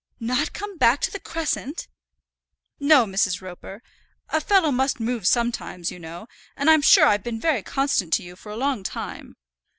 "Not come back to the crescent!" "No, Mrs. Roper. A fellow must move sometimes, you know; and I'm sure I've been very constant to you for a long time."